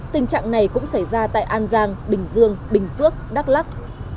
tình trạng này cũng xảy ra tại an giang bình dương bình phước đắk lắc